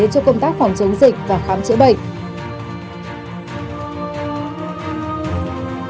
cho công tác phòng chống dịch và khám chữa bệnh